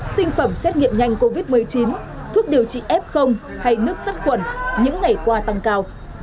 sinh phẩm xét nghiệm nhanh covid một mươi chín thuốc điều trị f hay nước sắt quẩn những ngày qua tăng cao